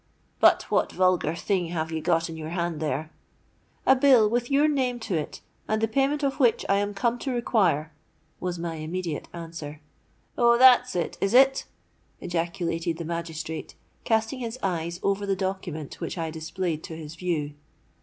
But what vulgar thing have you got in your hand there?'—'A bill, with your name to it, and the payment of which I am come to require,' was my immediate answer.—'Oh! that's it—is it?' ejaculated the magistrate, casting his eyes over the document which I displayed to his view.